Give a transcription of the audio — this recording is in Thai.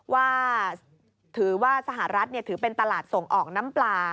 ว่าถือว่าสหรัฐถือเป็นตลาดส่งออกน้ำปลา